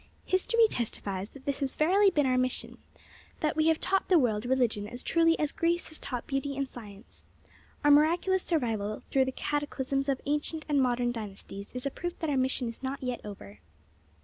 History testifies that this has verily been our mission, that we have taught the world religion as truly as Greece has taught beauty and science. Our miraculous survival through the cataclysms of ancient and modern dynasties is a proof that our mission is not yet over.'"